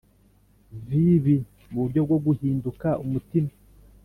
vibi nuburyo bwo guhinduka umutima.